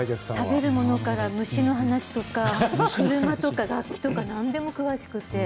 食べるものから虫の話とか車とか楽器とかなんでも詳しくて。